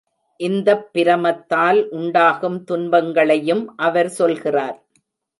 இந்தப் பிரமத்தால் உண்டாகும் துன்பங்களையும் அவர் சொல்கிறார்.